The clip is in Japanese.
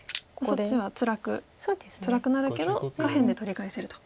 そっちはつらくなるけど下辺で取り返せると。